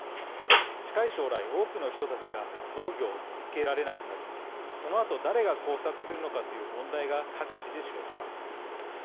近い将来多くの人たちが農業を続けられなくなりそのあと誰が耕作するのかという問題が各地で生じます。